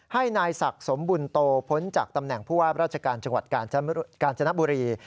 ให้นายศักดิ์สมบุญโตพ้นจากตำแหน่งผู้ว่าราชการจังหวัดกาญจนบุรี